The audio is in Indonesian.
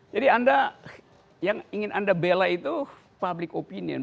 jadi anda yang ingin anda bela itu public opinion